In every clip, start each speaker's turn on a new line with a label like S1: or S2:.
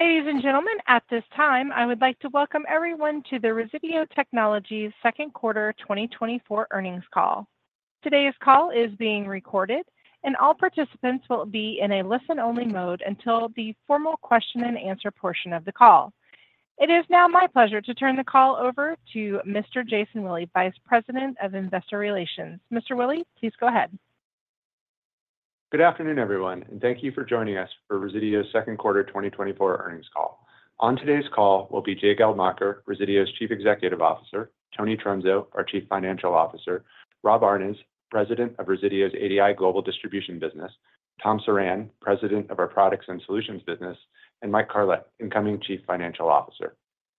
S1: Ladies and gentlemen, at this time, I would like to welcome everyone to the Resideo Technologies second quarter 2024 earnings call. Today's call is being recorded, and all participants will be in a listen-only mode until the formal question-and-answer portion of the call. It is now my pleasure to turn the call over to Mr. Jason Willey, Vice President of Investor Relations. Mr. Willey, please go ahead.
S2: Good afternoon, everyone, and thank you for joining us for Resideo's second quarter 2024 earnings call. On today's call will be Jay Geldmacher, Resideo's Chief Executive Officer, Tony Trunzo, our Chief Financial Officer, Rob Aarnes, President of Resideo's ADI Global Distribution Business, Tom Surran, President of our Products and Solutions Business, and Michael Carlet, incoming Chief Financial Officer.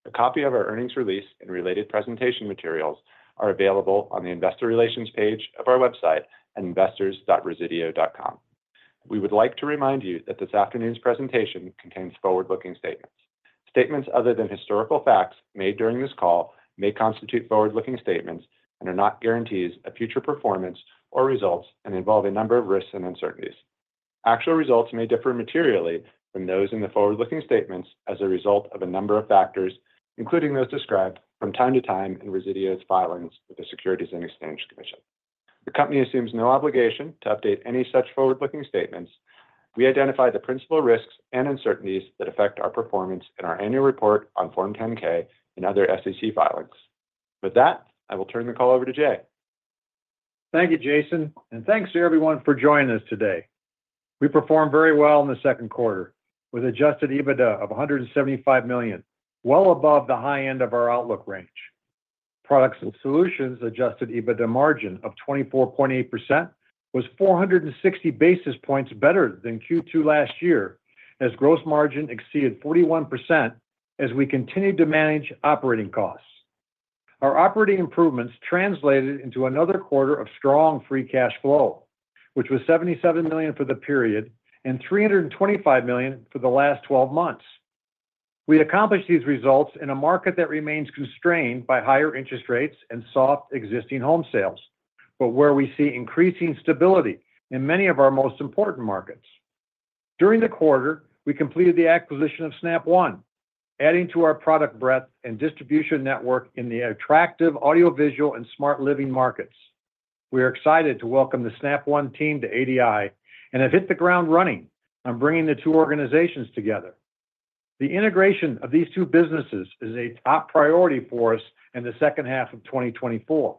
S2: A copy of our earnings release and related presentation materials are available on the investor relations page of our website at investors.resideo.com. We would like to remind you that this afternoon's presentation contains forward-looking statements. Statements other than historical facts made during this call may constitute forward-looking statements and are not guarantees of future performance or results and involve a number of risks and uncertainties. Actual results may differ materially from those in the forward-looking statements as a result of a number of factors, including those described from time to time in Resideo's filings with the Securities and Exchange Commission. The company assumes no obligation to update any such forward-looking statements. We identify the principal risks and uncertainties that affect our performance in our annual report on Form 10-K and other SEC filings. With that, I will turn the call over to Jay.
S3: Thank you, Jason, and thanks to everyone for joining us today. We performed very well in the second quarter, with Adjusted EBITDA of $175 million, well above the high end of our outlook range. Products and Solutions Adjusted EBITDA margin of 24.8% was 460 basis points better than Q2 last year, as gross margin exceeded 41% as we continued to manage operating costs. Our operating improvements translated into another quarter of strong Free Cash Flow, which was $77 million for the period and $325 million for the last twelve months. We accomplished these results in a market that remains constrained by higher interest rates and soft existing home sales, but where we see increasing stability in many of our most important markets. During the quarter, we completed the acquisition of Snap One, adding to our product breadth and distribution network in the attractive audiovisual and smart living markets. We are excited to welcome the Snap One team to ADI and have hit the ground running on bringing the two organizations together. The integration of these two businesses is a top priority for us in the second half of 2024.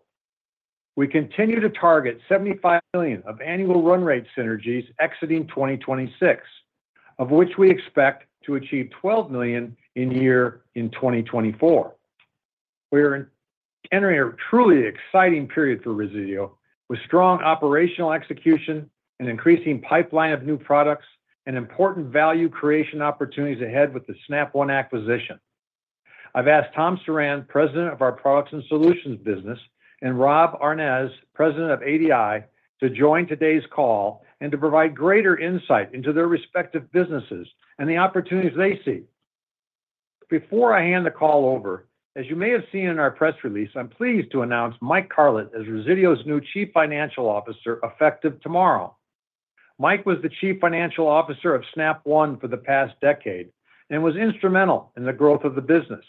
S3: We continue to target $75 million of annual run rate synergies exiting 2026, of which we expect to achieve $12 million in 2024. We are entering a truly exciting period for Resideo, with strong operational execution, an increasing pipeline of new products, and important value creation opportunities ahead with the Snap One acquisition. I've asked Tom Surran, President of our Products and Solutions business, and Rob Aarnes, President of ADI, to join today's call and to provide greater insight into their respective businesses and the opportunities they see. Before I hand the call over, as you may have seen in our press release, I'm pleased to announce Michael Carlet as Resideo's new Chief Financial Officer, effective tomorrow. Mike was the Chief Financial Officer of Snap One for the past decade and was instrumental in the growth of the business.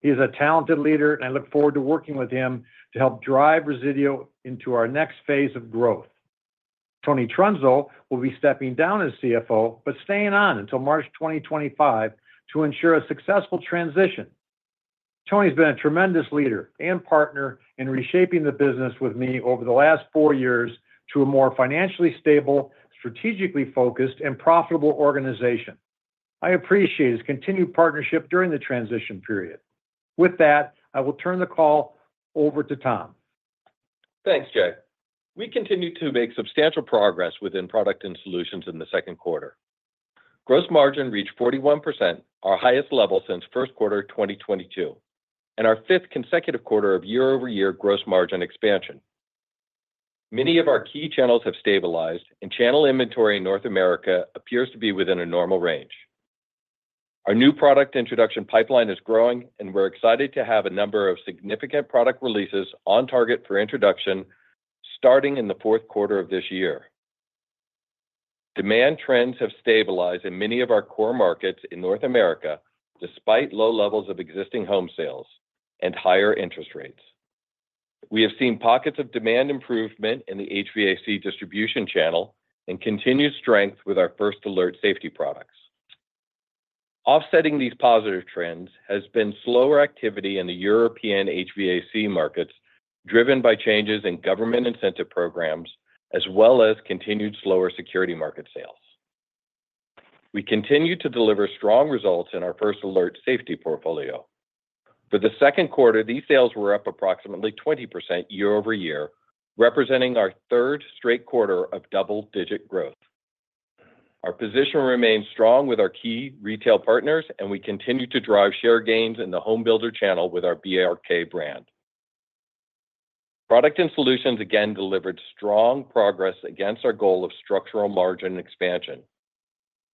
S3: He is a talented leader, and I look forward to working with him to help drive Resideo into our next phase of growth. Tony Trunzo will be stepping down as CFO, but staying on until March 2025 to ensure a successful transition. Tony's been a tremendous leader and partner in reshaping the business with me over the last four years to a more financially stable, strategically focused, and profitable organization. I appreciate his continued partnership during the transition period. With that, I will turn the call over to Tom.
S4: Thanks, Jay. We continue to make substantial progress within Products and Solutions in the second quarter. Gross margin reached 41%, our highest level since first quarter 2022, and our fifth consecutive quarter of year-over-year gross margin expansion. Many of our key channels have stabilized, and channel inventory in North America appears to be within a normal range. Our new product introduction pipeline is growing, and we're excited to have a number of significant product releases on target for introduction starting in the fourth quarter of this year. Demand trends have stabilized in many of our core markets in North America, despite low levels of existing home sales and higher interest rates. We have seen pockets of demand improvement in the HVAC distribution channel and continued strength with our First Alert safety products. Offsetting these positive trends has been slower activity in the European HVAC markets, driven by changes in government incentive programs, as well as continued slower security market sales. We continue to deliver strong results in our First Alert safety portfolio. For the second quarter, these sales were up approximately 20% year-over-year, representing our third straight quarter of double-digit growth. Our position remains strong with our key retail partners, and we continue to drive share gains in the home builder channel with our BRK brand. Products and Solutions again delivered strong progress against our goal of structural margin expansion.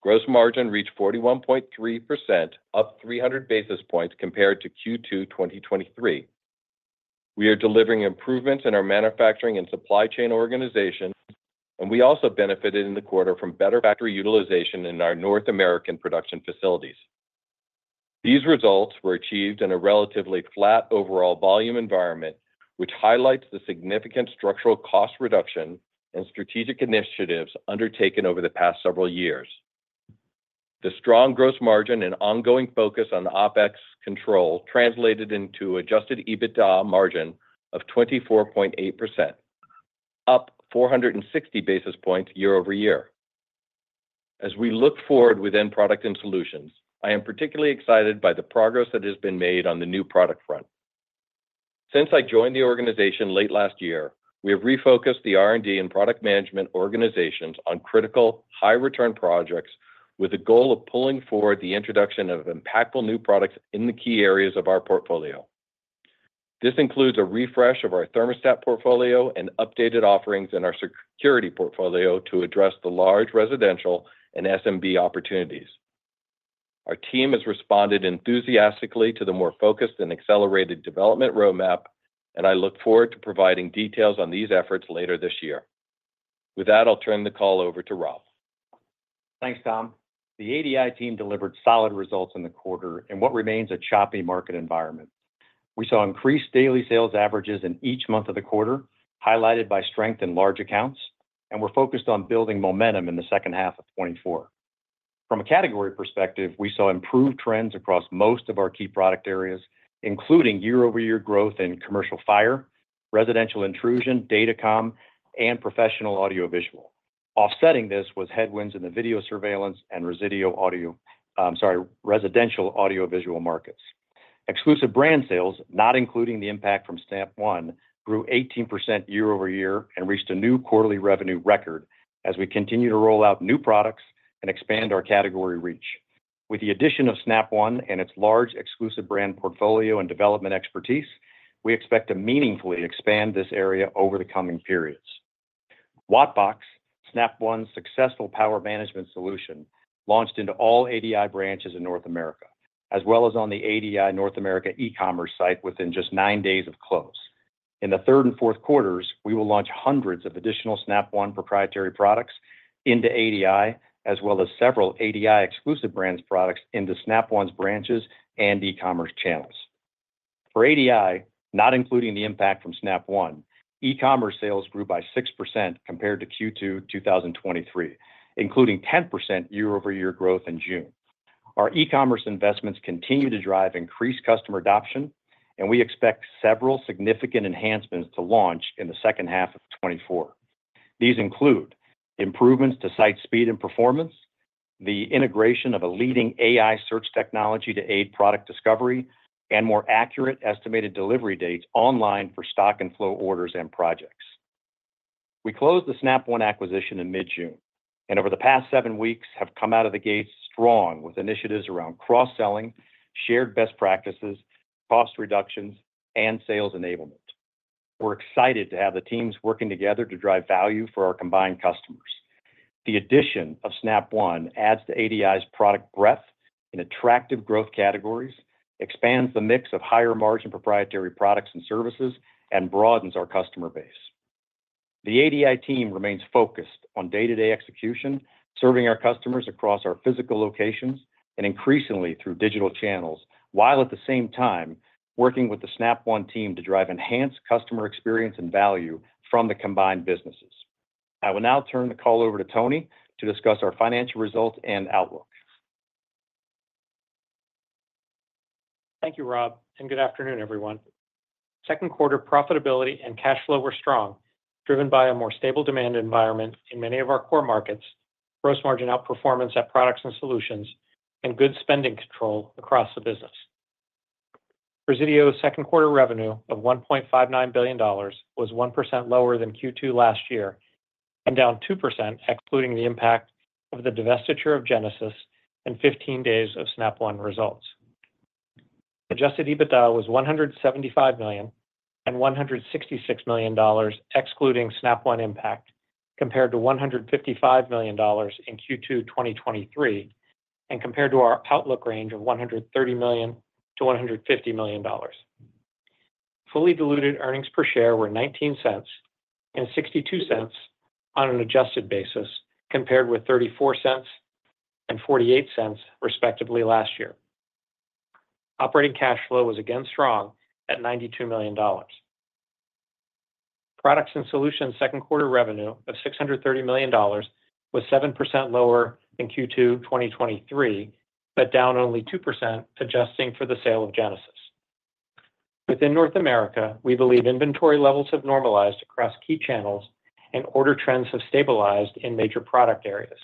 S4: Gross margin reached 41.3%, up 300 basis points compared to Q2 2023. We are delivering improvements in our manufacturing and supply chain organization, and we also benefited in the quarter from better factory utilization in our North American production facilities. These results were achieved in a relatively flat overall volume environment, which highlights the significant structural cost reduction and strategic initiatives undertaken over the past several years. The strong gross margin and ongoing focus on the OpEx control translated into adjusted EBITDA margin of 24.8%, up 460 basis points year-over-year. As we look forward within Products and Solutions, I am particularly excited by the progress that has been made on the new product front. Since I joined the organization late last year, we have refocused the R&D and product management organizations on critical, high-return projects with the goal of pulling forward the introduction of impactful new products in the key areas of our portfolio. This includes a refresh of our thermostat portfolio and updated offerings in our security portfolio to address the large residential and SMB opportunities. Our team has responded enthusiastically to the more focused and accelerated development roadmap, and I look forward to providing details on these efforts later this year. With that, I'll turn the call over to Rob.
S5: Thanks, Tom. The ADI team delivered solid results in the quarter in what remains a choppy market environment. We saw increased daily sales averages in each month of the quarter, highlighted by strength in large accounts, and we're focused on building momentum in the second half of 2024. From a category perspective, we saw improved trends across most of our key product areas, including year-over-year growth in commercial fire, residential intrusion, datacom, and professional audiovisual. Offsetting this was headwinds in the video surveillance and residential audio, sorry, residential audiovisual markets. Exclusive brand sales, not including the impact from Snap One, grew 18% year-over-year and reached a new quarterly revenue record as we continue to roll out new products and expand our category reach. With the addition of Snap One and its large exclusive brand portfolio and development expertise, we expect to meaningfully expand this area over the coming periods. WattBox, Snap One's successful power management solution, launched into all ADI branches in North America, as well as on the ADI North America e-commerce site within just nine days of close. In the third and fourth quarters, we will launch hundreds of additional Snap One proprietary products into ADI, as well as several ADI exclusive brands products into Snap One's branches and e-commerce channels. For ADI, not including the impact from Snap One, e-commerce sales grew by 6% compared to Q2 2023, including 10% year-over-year growth in June. Our e-commerce investments continue to drive increased customer adoption, and we expect several significant enhancements to launch in the second half of 2024. These include improvements to site speed and performance, the integration of a leading AI search technology to aid product discovery, and more accurate estimated delivery dates online for stock and flow orders and projects. We closed the Snap One acquisition in mid-June, and over the past seven weeks, have come out of the gates strong with initiatives around cross-selling, shared best practices, cost reductions, and sales enablement. We're excited to have the teams working together to drive value for our combined customers. The addition of Snap One adds to ADI's product breadth in attractive growth categories, expands the mix of higher-margin proprietary products and services, and broadens our customer base. The ADI team remains focused on day-to-day execution, serving our customers across our physical locations and increasingly through digital channels, while at the same time working with the Snap One team to drive enhanced customer experience and value from the combined businesses. I will now turn the call over to Tony to discuss our financial results and outlook.
S6: Thank you, Rob, and good afternoon, everyone. Second quarter profitability and cash flow were strong, driven by a more stable demand environment in many of our core markets, gross margin outperformance at Products and Solutions, and good spending control across the business. Resideo's second quarter revenue of $1.59 billion was 1% lower than Q2 last year and down 2%, excluding the impact of the divestiture of Genesis and fifteen days of Snap One results. Adjusted EBITDA was $175 million and $166 million, excluding Snap One impact, compared to $155 million in Q2 2023, and compared to our outlook range of $130 million-$150 million. Fully diluted earnings per share were $0.19 and $0.62 on an adjusted basis, compared with $0.34 and $0.48, respectively, last year. Operating cash flow was again strong at $92 million. Products and Solutions second quarter revenue of $630 million was 7% lower in Q2 2023, but down only 2%, adjusting for the sale of Genesis. Within North America, we believe inventory levels have normalized across key channels and order trends have stabilized in major product areas.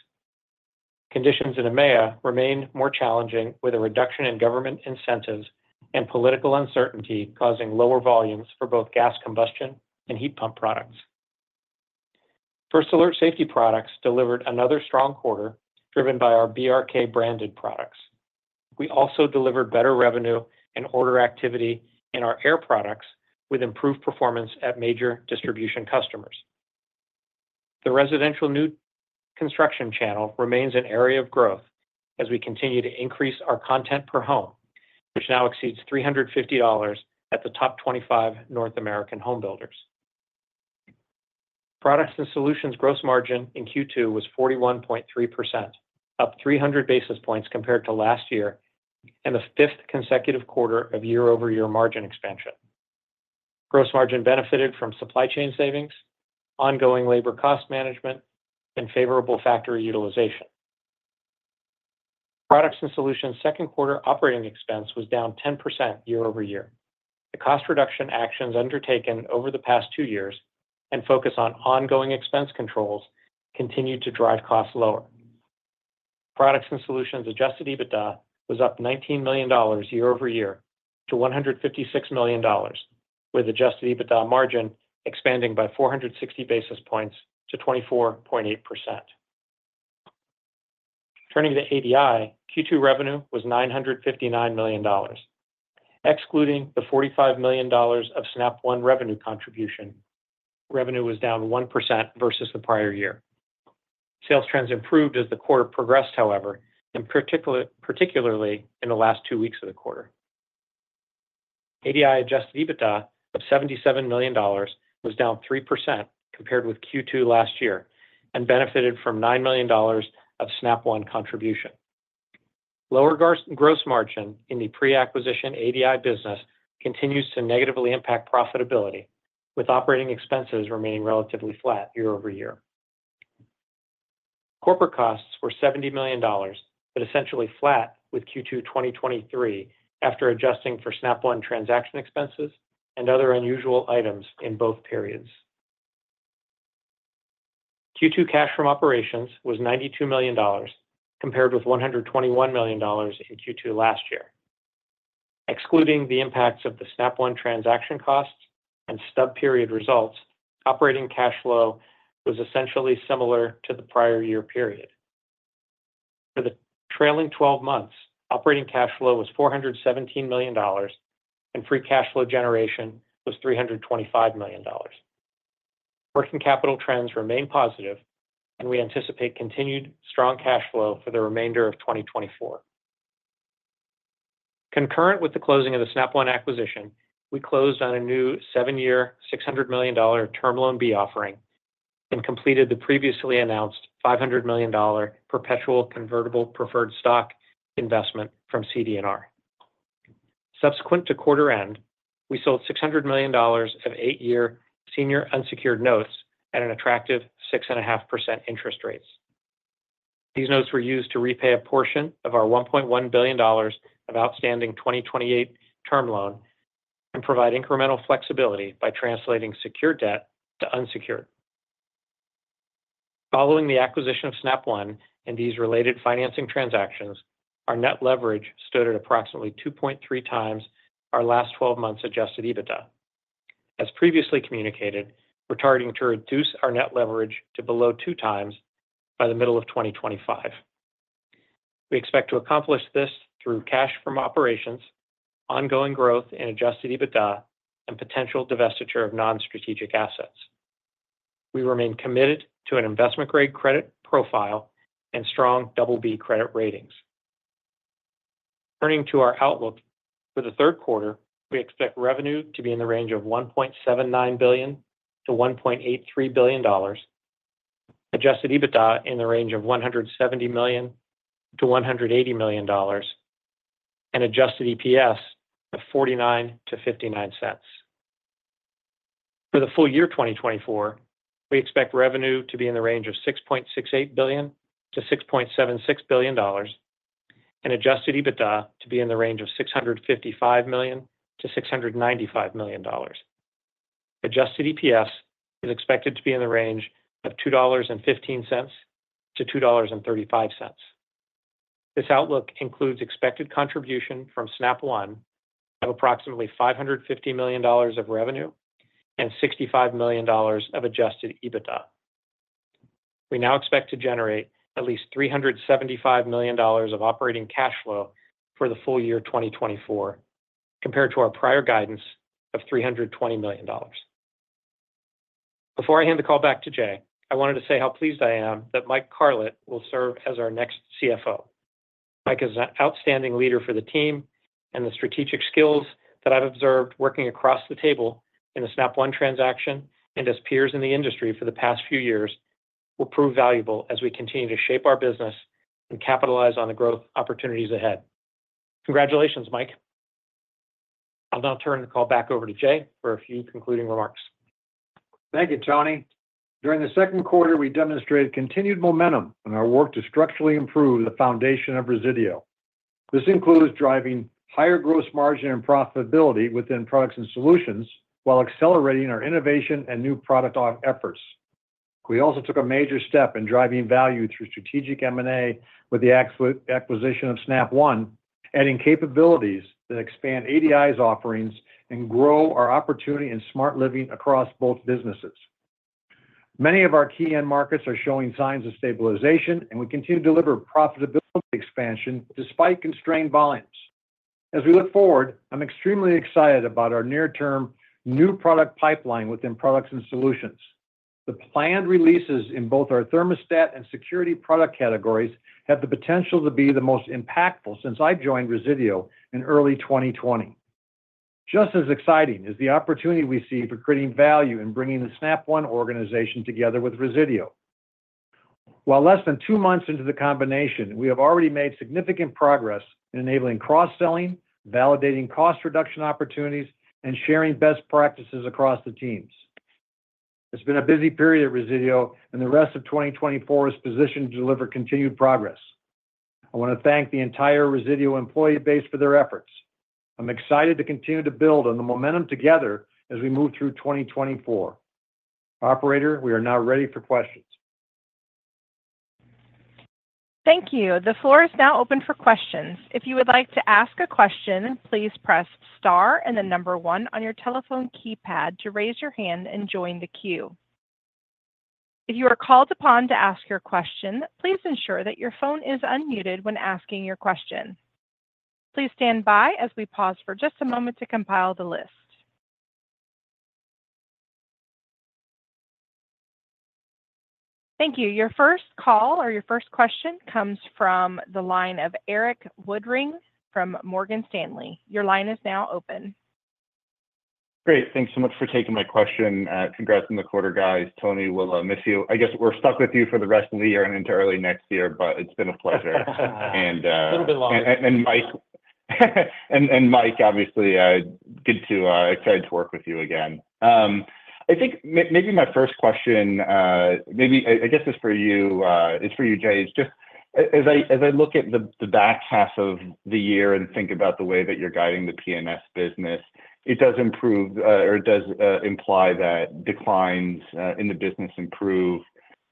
S6: Conditions in EMEA remain more challenging, with a reduction in government incentives and political uncertainty causing lower volumes for both gas combustion and heat pump products. First Alert Safety Products delivered another strong quarter, driven by our BRK-branded products. We also delivered better revenue and order activity in our air products, with improved performance at major distribution customers.... The residential new construction channel remains an area of growth as we continue to increase our content per home, which now exceeds $350 at the top 25 North American home builders. Products and Solutions gross margin in Q2 was 41.3%, up 300 basis points compared to last year, and the 5th consecutive quarter of year-over-year margin expansion. Gross margin benefited from supply chain savings, ongoing labor cost management, and favorable factory utilization. Products and Solutions second quarter operating expense was down 10% year-over-year. The cost reduction actions undertaken over the past two years and focus on ongoing expense controls continued to drive costs lower. Products and Solutions adjusted EBITDA was up $19 million year-over-year to $156 million, with adjusted EBITDA margin expanding by 460 basis points to 24.8%. Turning to ADI, Q2 revenue was $959 million. Excluding the $45 million of Snap One revenue contribution, revenue was down 1% versus the prior year. Sales trends improved as the quarter progressed, however, and particularly in the last two weeks of the quarter. ADI adjusted EBITDA of $77 million was down 3% compared with Q2 last year and benefited from $9 million of Snap One contribution. Lower gross margin in the pre-acquisition ADI business continues to negatively impact profitability, with operating expenses remaining relatively flat year-over-year. Corporate costs were $70 million, but essentially flat with Q2 2023 after adjusting for Snap One transaction expenses and other unusual items in both periods. Q2 cash from operations was $92 million, compared with $121 million in Q2 last year. Excluding the impacts of the Snap One transaction costs and stub period results, operating cash flow was essentially similar to the prior year period. For the trailing twelve months, operating cash flow was $417 million, and free cash flow generation was $325 million. Working capital trends remain positive, and we anticipate continued strong cash flow for the remainder of 2024. Concurrent with the closing of the Snap One acquisition, we closed on a new 7-year, $600 million Term Loan B offering and completed the previously announced $500 million perpetual convertible preferred stock investment from CD&R. Subsequent to quarter end, we sold $600 million of 8-year senior unsecured notes at an attractive 6.5% interest rates. These notes were used to repay a portion of our $1.1 billion of outstanding 2028 Term Loan and provide incremental flexibility by translating secured debt to unsecured. Following the acquisition of Snap One and these related financing transactions, our net leverage stood at approximately 2.3 times our last twelve months adjusted EBITDA. As previously communicated, we're targeting to reduce our net leverage to below two times by the middle of 2025. We expect to accomplish this through cash from operations, ongoing growth in Adjusted EBITDA, and potential divestiture of non-strategic assets. We remain committed to an investment-grade credit profile and strong BB credit ratings. Turning to our outlook for the third quarter, we expect revenue to be in the range of $1.79 billion-$1.83 billion, Adjusted EBITDA in the range of $170-$180 million, and Adjusted EPS of $0.49-$0.59. For the full year 2024, we expect revenue to be in the range of $6.68 billion-$6.76 billion, and Adjusted EBITDA to be in the range of $655-$695 million. Adjusted EPS is expected to be in the range of $2.15-$2.35. This outlook includes expected contribution from Snap One of approximately $550 million of revenue and $65 million of Adjusted EBITDA. We now expect to generate at least $375 million of operating cash flow for the full year 2024, compared to our prior guidance of $320 million. Before I hand the call back to Jay, I wanted to say how pleased I am that Mike Carlet will serve as our next CFO. Mike is an outstanding leader for the team, and the strategic skills that I've observed working across the table in the Snap One transaction and as peers in the industry for the past few years, will prove valuable as we continue to shape our business and capitalize on the growth opportunities ahead. Congratulations, Mike. I'll now turn the call back over to Jay for a few concluding remarks.
S3: Thank you, Tony. During the second quarter, we demonstrated continued momentum in our work to structurally improve the foundation of Resideo. This includes driving higher gross margin and profitability within Products and Solutions while accelerating our innovation and new product offerings. We also took a major step in driving value through strategic M&A with the acquisition of Snap One, adding capabilities that expand ADI's offerings and grow our opportunity in smart living across both businesses. Many of our key end markets are showing signs of stabilization, and we continue to deliver profitability expansion despite constrained volumes.... As we look forward, I'm extremely excited about our near-term new product pipeline within Products and Solutions. The planned releases in both our thermostat and security product categories have the potential to be the most impactful since I joined Resideo in early 2020. Just as exciting is the opportunity we see for creating value in bringing the Snap One organization together with Resideo. While less than two months into the combination, we have already made significant progress in enabling cross-selling, validating cost reduction opportunities, and sharing best practices across the teams. It's been a busy period at Resideo, and the rest of 2024 is positioned to deliver continued progress. I want to thank the entire Resideo employee base for their efforts. I'm excited to continue to build on the momentum together as we move through 2024. Operator, we are now ready for questions.
S1: Thank you. The floor is now open for questions. If you would like to ask a question, please press Star and the number one on your telephone keypad to raise your hand and join the queue. If you are called upon to ask your question, please ensure that your phone is unmuted when asking your question. Please stand by as we pause for just a moment to compile the list. Thank you. Your first call or your first question comes from the line of Eric Woodring from Morgan Stanley. Your line is now open.
S7: Great. Thanks so much for taking my question. Congrats on the quarter, guys. Tony, we'll miss you. I guess we're stuck with you for the rest of the year and into early next year, but it's been a pleasure.
S3: A little bit longer.
S7: Mike, obviously, good to excited to work with you again. I think maybe my first question, maybe, I guess it's for you, it's for you, Jay. It's just as I look at the back half of the year and think about the way that you're guiding the P&S business, it does improve, or it does imply that declines in the business improve.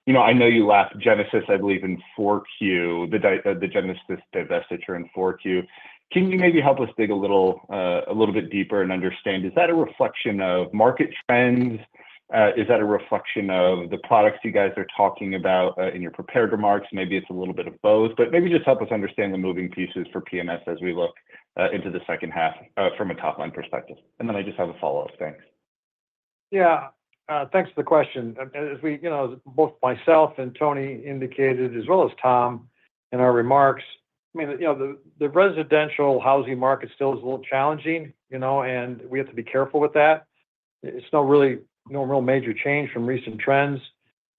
S7: You know, I know you left Genesis, I believe, in 4Q, the Genesis divestiture in 4Q. Can you maybe help us dig a little bit deeper and understand, is that a reflection of market trends? Is that a reflection of the products you guys are talking about in your prepared remarks? Maybe it's a little bit of both, but maybe just help us understand the moving pieces for P&S as we look into the second half from a top-line perspective. And then I just have a follow-up. Thanks.
S3: Yeah. Thanks for the question. As we, you know, as both myself and Tony indicated, as well as Tom, in our remarks, I mean, you know, the residential housing market still is a little challenging, you know, and we have to be careful with that. It's no real major change from recent trends.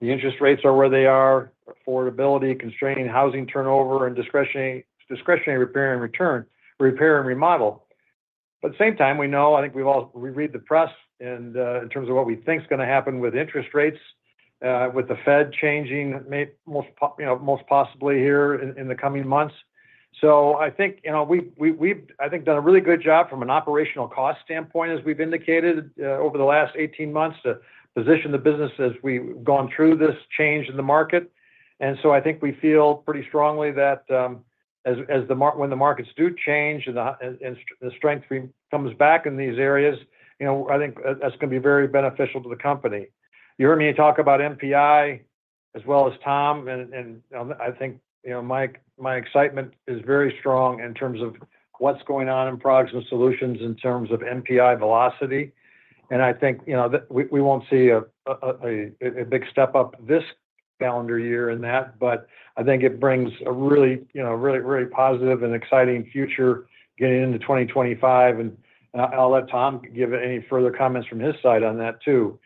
S3: The interest rates are where they are, affordability constraining housing turnover and discretionary repair and remodel. But at the same time, we know, I think we've all read the press, and in terms of what we think is gonna happen with interest rates, with the Fed changing, most possibly here in the coming months. So I think, you know, we've done a really good job from an operational cost standpoint, as we've indicated, over the last 18 months, to position the business as we've gone through this change in the market. And so I think we feel pretty strongly that, when the markets do change and the strength comes back in these areas, you know, I think that's gonna be very beneficial to the company. You heard me talk about NPI as well as Tom, and I think, you know, Mike, my excitement is very strong in terms of what's going on in Products and Solutions, in terms of NPI velocity. And I think, you know, that we won't see a big step up this calendar year in that, but I think it brings a really, you know, really, really positive and exciting future getting into 2025. And, I'll let Tom give any further comments from his side on that, too.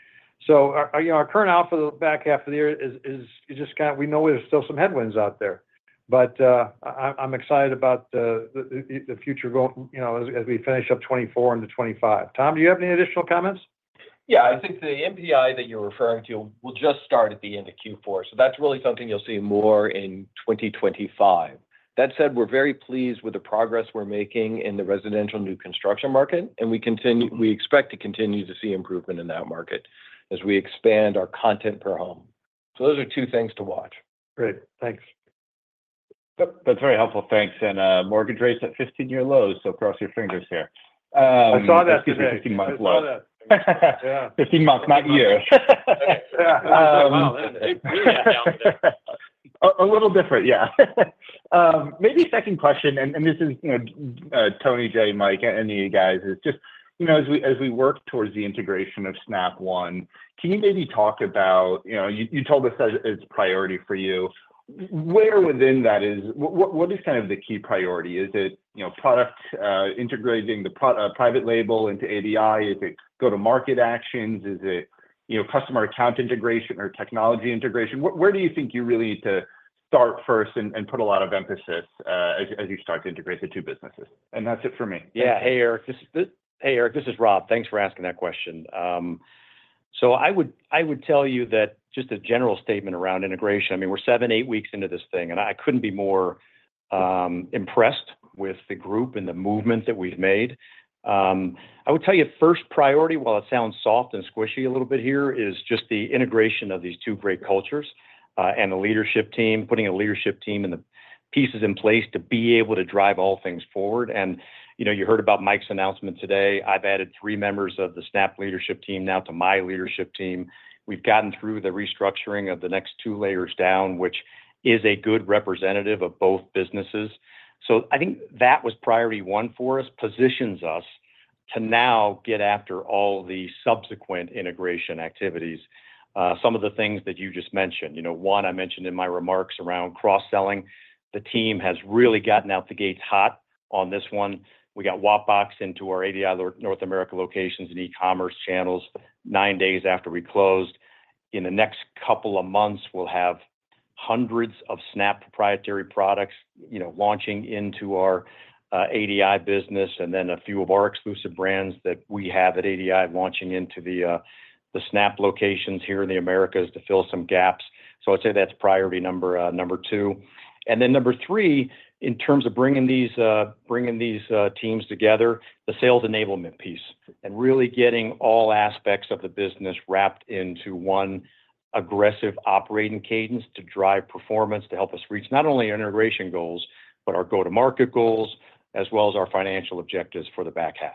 S3: So, you know, our current outlook for the back half of the year is just. We know there's still some headwinds out there, but I'm excited about the future, you know, as we finish up '2024 into 2025. Tom, do you have any additional comments?
S5: Yeah. I think the NPI that you're referring to will just start at the end of Q4, so that's really something you'll see more in 2025. That said, we're very pleased with the progress we're making in the residential new construction market, and we continue- we expect to continue to see improvement in that market as we expand our content per home. So those are two things to watch.
S3: Great. Thanks.
S7: Yep, that's very helpful. Thanks. Mortgage rates at fifteen-year lows, so cross your fingers here.
S3: I saw that today.
S7: Excuse me, 15-month low.
S3: Yeah.
S7: 15 months, not years.
S3: Yeah. Wow, that's... We were down there.
S7: A little different, yeah. Maybe second question, and this is, you know, Tony, Jay, Mike, any of you guys. It's just, you know, as we work towards the integration of Snap One, can you maybe talk about... You know, you told us that it's a priority for you. Where within that is... What is kind of the key priority? Is it, you know, product, integrating the private label into ADI? Is it go-to-market actions? Is it, you know, customer account integration or technology integration? Where do you think you really need to start first and put a lot of emphasis as you start to integrate the two businesses? And that's it for me.
S5: Yeah. Hey, Eric. Hey, Eric, this is Rob. Thanks for asking that question. So I would, I would tell you that just a general statement around integration, I mean, we're seven, eight weeks into this thing, and I couldn't be more impressed with the group and the movement that we've made. I would tell you, first priority, while it sounds soft and squishy a little bit here, is just the integration of these two great cultures, and the leadership team, putting a leadership team and the pieces in place to be able to drive all things forward. And, you know, you heard about Mike's announcement today. I've added three members of the Snap leadership team now to my leadership team. We've gotten through the restructuring of the next two layers down, which is a good representative of both businesses. So I think that was priority one for us, positions us to now get after all the subsequent integration activities. Some of the things that you just mentioned, you know, one, I mentioned in my remarks around cross-selling. The team has really gotten out the gates hot on this one. We got WattBox into our ADI North America locations and e-commerce channels 9 days after we closed. In the next couple of months, we'll have hundreds of Snap proprietary products, you know, launching into our, ADI business, and then a few of our exclusive brands that we have at ADI launching into the, the Snap locations here in the Americas to fill some gaps. So I'd say that's priority number, number two. And then number three, in terms of bringing these teams together, the sales enablement piece, and really getting all aspects of the business wrapped into one aggressive operating cadence to drive performance, to help us reach not only our integration goals, but our go-to-market goals, as well as our financial objectives for the back half.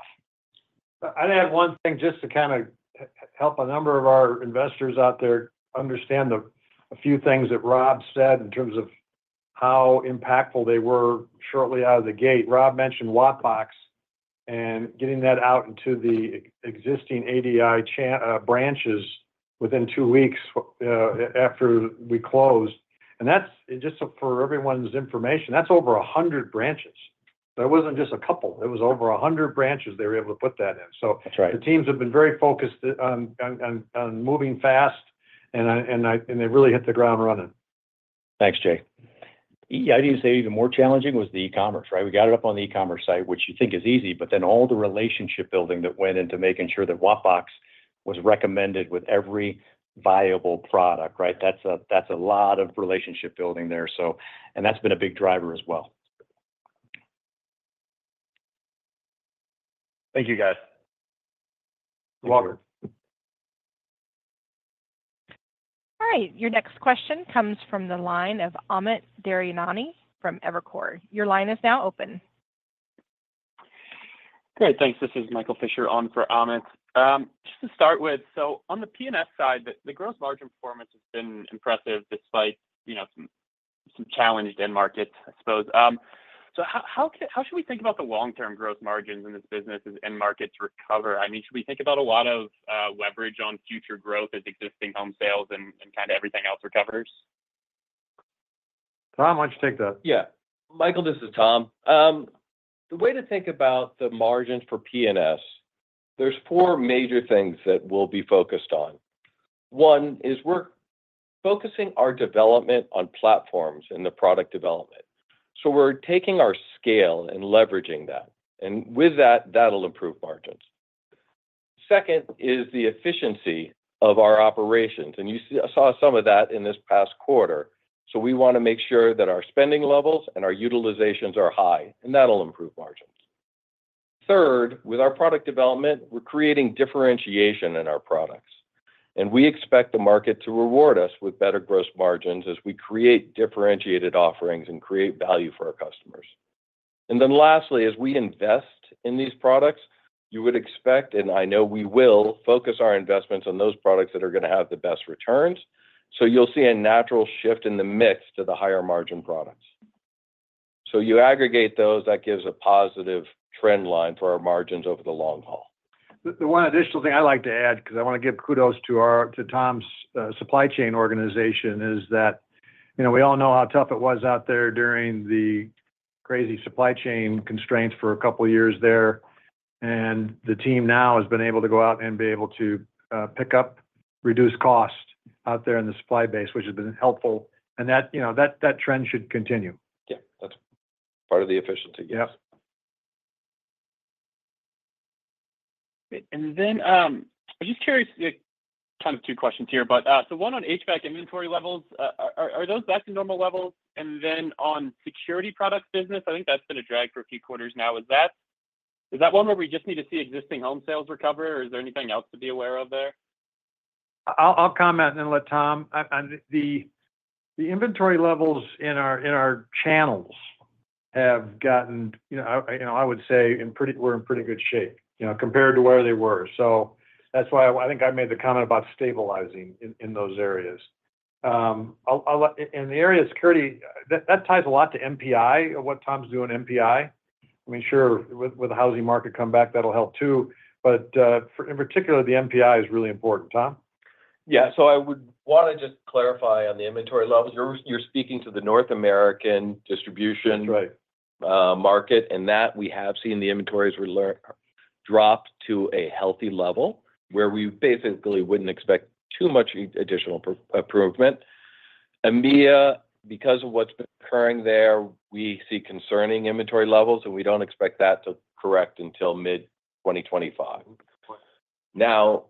S3: I'd add one thing just to kind of help a number of our investors out there understand a few things that Rob said in terms of how impactful they were shortly out of the gate. Rob mentioned WattBox and getting that out into the existing ADI channel branches within 2 weeks after we closed. And that's... And just for everyone's information, that's over 100 branches. That wasn't just a couple, it was over 100 branches they were able to put that in. So-
S5: That's right.
S3: The teams have been very focused on moving fast, and they really hit the ground running.
S5: Thanks, Jay. Yeah, I'd even say even more challenging was the e-commerce, right? We got it up on the e-commerce site, which you think is easy, but then all the relationship building that went into making sure that WattBox was recommended with every viable product, right? That's a, that's a lot of relationship building there, so... And that's been a big driver as well. Thank you, guys.
S3: You're welcome.
S1: All right, your next question comes from the line of Amit Daryanani from Evercore. Your line is now open.
S8: Great, thanks. This is Michael Fisher on for Amit. Just to start with, so on the P&S side, the gross margin performance has been impressive despite, you know, some challenged end markets, I suppose. So how should we think about the long-term growth margins in this business as end markets recover? I mean, should we think about a lot of leverage on future growth as existing home sales and kind of everything else recovers?
S3: Tom, why don't you take that?
S4: Yeah. Michael, this is Tom. The way to think about the margins for P&S, there's four major things that we'll be focused on. One is we're focusing our development on platforms in the product development. So we're taking our scale and leveraging that, and with that, that'll improve margins. Second is the efficiency of our operations, and you saw some of that in this past quarter. So we wanna make sure that our spending levels and our utilizations are high, and that'll improve margins. Third, with our product development, we're creating differentiation in our products, and we expect the market to reward us with better gross margins as we create differentiated offerings and create value for our customers. And then lastly, as we invest in these products, you would expect, and I know we will, focus our investments on those products that are gonna have the best returns. So you'll see a natural shift in the mix to the higher margin products. So you aggregate those, that gives a positive trend line for our margins over the long haul.
S3: The one additional thing I'd like to add, 'cause I wanna give kudos to our to Tom's supply chain organization, is that, you know, we all know how tough it was out there during the crazy supply chain constraints for a couple of years there, and the team now has been able to go out and be able to pick up, reduce cost out there in the supply base, which has been helpful. And that, you know, that trend should continue.
S4: Yeah, that's part of the efficiency.
S3: Yep.
S8: And then, I'm just curious, kind of two questions here, but, so one on HVAC inventory levels, are those back to normal levels? And then on security product business, I think that's been a drag for a few quarters now. Is that one where we just need to see existing home sales recover, or is there anything else to be aware of there?
S3: I'll comment and then let Tom... The inventory levels in our channels have gotten, you know, I would say we're in pretty good shape, you know, compared to where they were. So that's why I think I made the comment about stabilizing in those areas. I'll let... In the area of security, that ties a lot to NPI and what Tom's doing at NPI. I mean, sure, with the housing market come back, that'll help, too, but in particular, the NPI is really important. Tom?
S4: Yeah, so I would wanna just clarify on the inventory levels. You're, you're speaking to the North American distribution-
S3: That's right
S4: Market, and that we have seen the inventories drop to a healthy level, where we basically wouldn't expect too much additional improvement. EMEA, because of what's been occurring there, we see concerning inventory levels, and we don't expect that to correct until mid-2025. Now,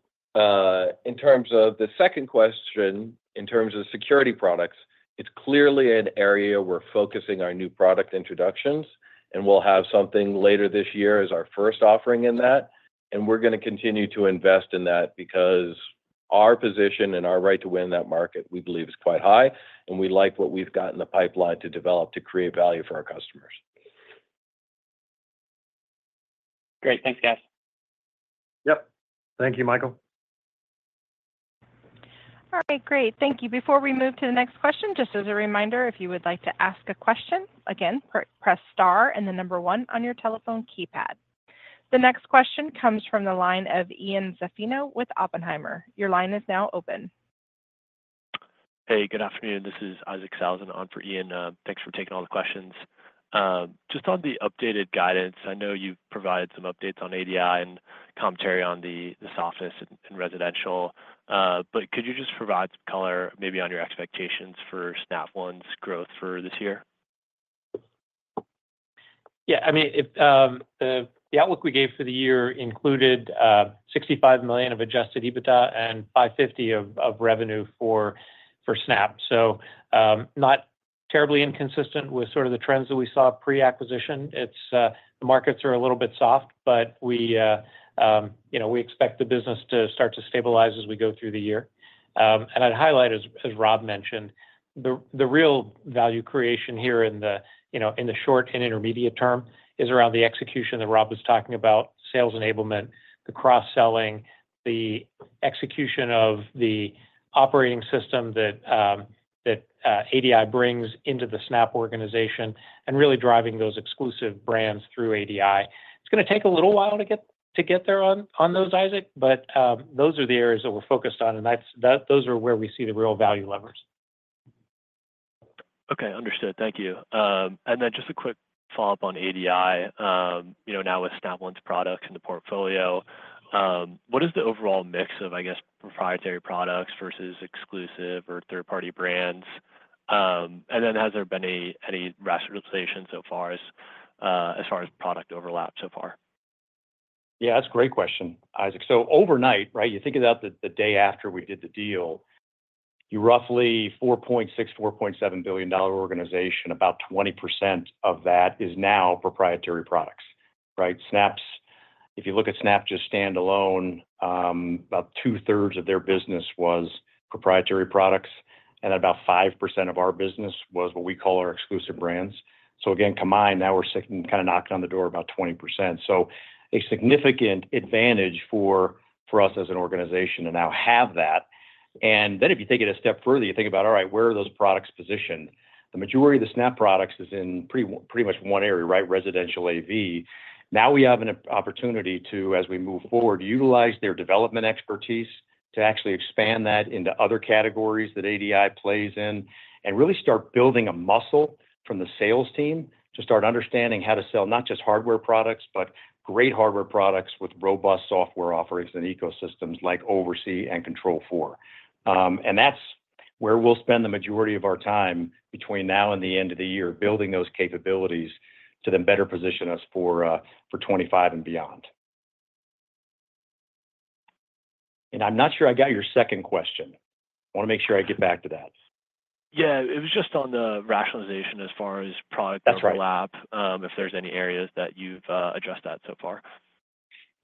S4: in terms of the second question, in terms of security products, it's clearly an area we're focusing our new product introductions, and we'll have something later this year as our first offering in that. And we're gonna continue to invest in that because our position and our right to win that market, we believe, is quite high, and we like what we've got in the pipeline to develop, to create value for our customers.
S8: Great. Thanks, guys.
S5: Yep. Thank you, Michael.
S1: All right, great. Thank you. Before we move to the next question, just as a reminder, if you would like to ask a question, again, press star and the number one on your telephone keypad. The next question comes from the line of Ian Zaffino with Oppenheimer. Your line is now open.
S9: Hey, good afternoon. This is Isaac Sellhausen on for Ian. Thanks for taking all the questions. Just on the updated guidance, I know you've provided some updates on ADI and commentary on the softness in residential, but could you just provide some color maybe on your expectations for Snap One's growth for this year?
S6: Yeah, I mean, it, the outlook we gave for the year included $65 million of adjusted EBITDA and $550 million of revenue for Snap. So, not terribly inconsistent with sort of the trends that we saw pre-acquisition. It's the markets are a little bit soft, but we, you know, we expect the business to start to stabilize as we go through the year. And I'd highlight, as Rob mentioned, the real value creation here in the, you know, in the short and intermediate term is around the execution that Rob was talking about, sales enablement, the cross-selling, the execution of the operating system that ADI brings into the Snap organization, and really driving those exclusive brands through ADI. It's gonna take a little while to get there on those, Isaac, but those are the areas that we're focused on, and those are where we see the real value levers.
S9: Okay, understood. Thank you. And then just a quick follow-up on ADI. You know, now with Snap One's products in the portfolio, what is the overall mix of, I guess, proprietary products versus exclusive or third-party brands? And then has there been a, any rationalization so far as, as far as product overlap so far?
S5: Yeah, that's a great question, Isaac. So overnight, right, you think about the day after we did the deal, you roughly $4.6 billion-$4.7 billion dollar organization, about 20% of that is now proprietary products, right? Snap's... If you look at Snap just standalone, about two-thirds of their business was proprietary products, and about 5% of our business was what we call our exclusive brands. So again, combined, now we're sitting, kind of, knocking on the door about 20%. So a significant advantage for us as an organization to now have that. And then if you take it a step further, you think about, all right, where are those products positioned? The majority of the Snap products is in pretty much one area, right? Residential AV. Now, we have an opportunity to, as we move forward, utilize their development expertise to actually expand that into other categories that ADI plays in, and really start building a muscle from the sales team to start understanding how to sell not just hardware products, but great hardware products with robust software offerings and ecosystems like OvrC and Control4. And that's where we'll spend the majority of our time between now and the end of the year, building those capabilities to then better position us for 2025 and beyond. And I'm not sure I got your second question. I wanna make sure I get back to that.
S9: Yeah, it was just on the rationalization as far as product overlap-
S5: That's right
S9: If there's any areas that you've addressed that so far.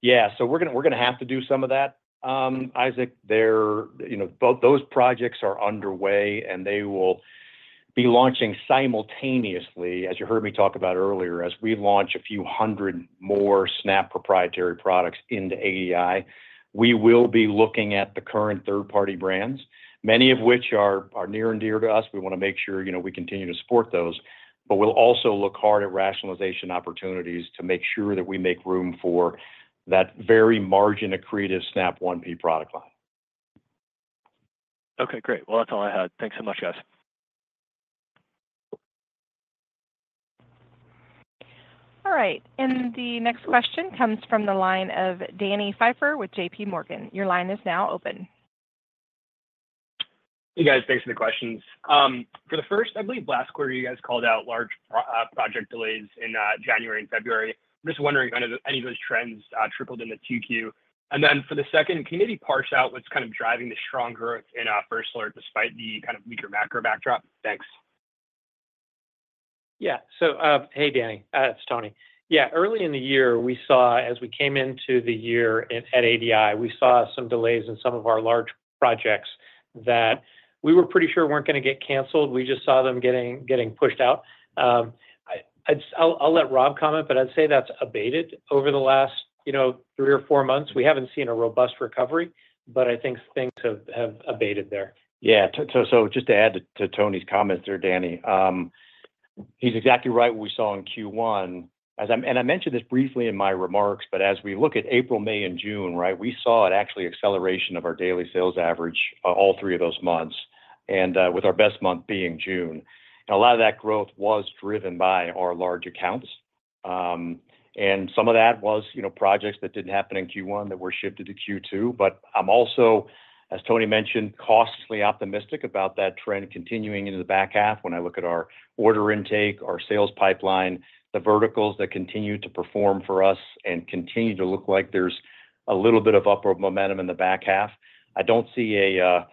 S5: Yeah. So we're gonna, we're gonna have to do some of that, Isaac. There, you know, those projects are underway, and they will be launching simultaneously, as you heard me talk about earlier, as we launch a few hundred more Snap proprietary products into ADI. We will be looking at the current third-party brands, many of which are near and dear to us. We wanna make sure, you know, we continue to support those, but we'll also look hard at rationalization opportunities to make sure that we make room for that very margin-accretive Snap One proprietary product line.
S9: Okay, great. Well, that's all I had. Thanks so much, guys.
S1: All right, and the next question comes from the line of Danny Pfeiffer with J.P. Morgan. Your line is now open.
S10: Hey, guys. Thanks for the questions. For the first, I believe last quarter, you guys called out large pro project delays in January and February. I'm just wondering, are any of those trends tripled in the 2Q? And then for the second, can you maybe parse out what's kind of driving the strong growth in First Alert, despite the kind of weaker macro backdrop? Thanks.
S6: Yeah. So, hey, Danny, it's Tony. Yeah, early in the year, we saw, as we came into the year at ADI, we saw some delays in some of our large projects that we were pretty sure weren't gonna get canceled. We just saw them getting pushed out. I'll let Rob comment, but I'd say that's abated over the last, you know, three or four months. We haven't seen a robust recovery, but I think things have abated there.
S5: Yeah. So, so just to add to Tony's comments there, Danny, he's exactly right what we saw in Q1. As I... And I mentioned this briefly in my remarks, but as we look at April, May, and June, right, we saw an actual acceleration of our daily sales average, all three of those months, and with our best month being June. And a lot of that growth was driven by our large accounts. And some of that was, you know, projects that didn't happen in Q1 that were shifted to Q2. But I'm also, as Tony mentioned, cautiously optimistic about that trend continuing into the back half when I look at our order intake, our sales pipeline, the verticals that continue to perform for us and continue to look like there's a little bit of upward momentum in the back half. I don't see a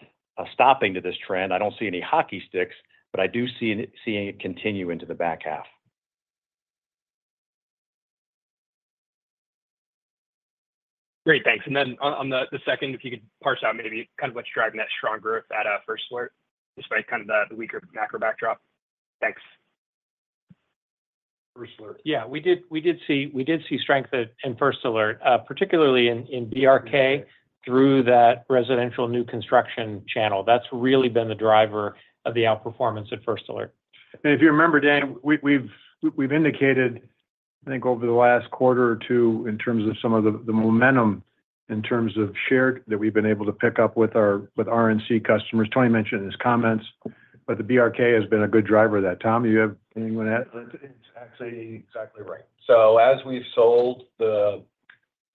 S5: stopping to this trend. I don't see any hockey sticks, but I do see it continue into the back half.
S10: Great, thanks. And then on the second, if you could parse out maybe kind of what's driving that strong growth at First Alert, despite kind of the weaker macro backdrop. Thanks.
S5: First Alert.
S6: Yeah, we did, we did see, we did see strength in First Alert, particularly in BRK, through that residential new construction channel. That's really been the driver of the outperformance at First Alert.
S5: If you remember, Dan, we've indicated, I think, over the last quarter or two, in terms of some of the momentum in terms of share that we've been able to pick up with our RNC customers. Tony mentioned in his comments, but the BRK has been a good driver of that. Tom, do you have anything you wanna add?
S4: It's actually exactly right. So as we've sold the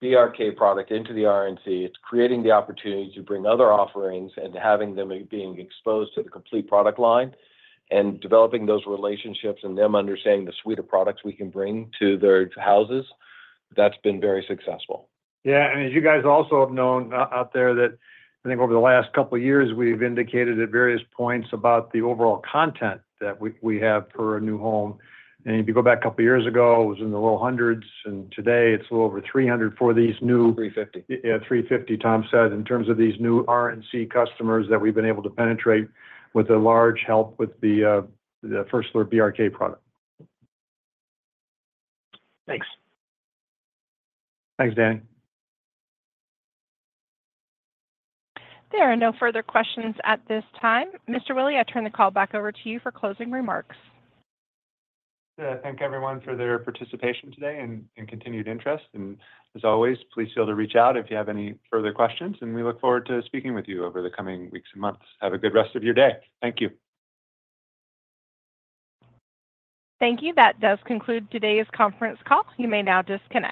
S4: BRK product into the RNC, it's creating the opportunity to bring other offerings, and having them being exposed to the complete product line and developing those relationships and them understanding the suite of products we can bring to their houses, that's been very successful.
S5: Yeah, and as you guys also have known out there, that I think over the last couple of years, we've indicated at various points about the overall content that we have for a new home. And if you go back a couple of years ago, it was in the low hundreds, and today it's a little over 300 for these new-
S4: Three fifty.
S5: Yeah, 350, Tom said, in terms of these new RNC customers that we've been able to penetrate with a large help with the First Alert BRK product.
S10: Thanks.
S5: Thanks, Danny.
S1: There are no further questions at this time. Mr. Willey, I turn the call back over to you for closing remarks.
S2: Yeah. Thank everyone for their participation today and continued interest. And as always, please feel free to reach out if you have any further questions, and we look forward to speaking with you over the coming weeks and months. Have a good rest of your day. Thank you.
S1: Thank you. That does conclude today's conference call. You may now disconnect.